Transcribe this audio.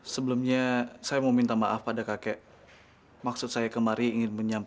sampai jumpa di video selanjutnya